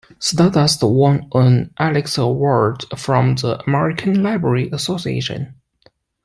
"Stardust" won an Alex Award from the American Library Association.